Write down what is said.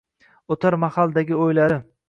oʼtar mahaldagi oʼylari.